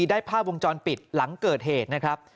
ได้ภาพวงจรปิดหลังเกิดเหตุนะครับ